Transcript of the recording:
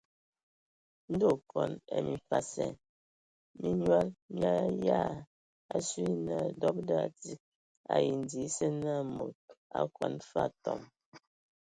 Ndɔŋ okɔn ai mimfasɛn mi nyɔl mi ayaan asu yə naa dɔbəda a tsig ai ndi esə na mod a akɔn fwa atɔm.